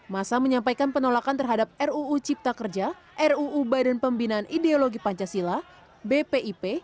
masa menyampaikan penolakan terhadap ruu cipta kerja ruu biden pembinaan ideologi pancasila bpip